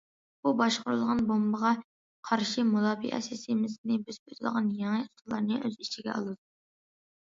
بۇ، باشقۇرۇلىدىغان بومبىغا قارشى مۇداپىئە سىستېمىسىنى بۆسۈپ ئۆتىدىغان يېڭى ئۇسۇللارنى ئۆز ئىچىگە ئالىدۇ.